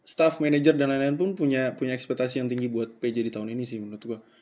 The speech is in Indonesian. staff manager dan lain lain pun punya ekspektasi yang tinggi buat pj di tahun ini sih menurut gue